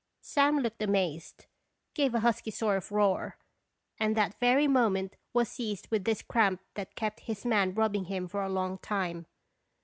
Sam looked amazed, gave a husky sort of roar, and that very moment was seized with this cramp that kept his man rubbing him for a long time.